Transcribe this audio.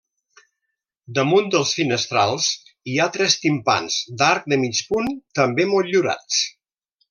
Damunt dels finestrals hi ha tres timpans d'arc de mig punt també motllurats.